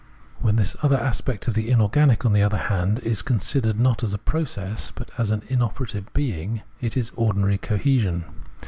When this other aspect of the inorganic, on the other hand, is considered not as a process, but as an in operative being, it is ordinary cohesion.